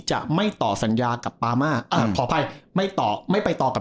จะไม่ต่อสัญญากับปามาอ่าขออภัยไม่ต่อไม่ไปต่อกับ